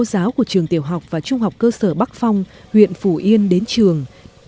các thầy cô của trường tiểu học và trung học cơ sở bắc phong huyện phủ yên đến trường